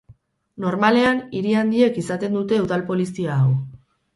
Normalean, hiri handiek izaten dute udal polizia hau.